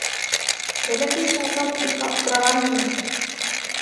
Бәләкәй шаһзат бик аптыраған ине.